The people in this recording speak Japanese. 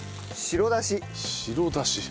白だし。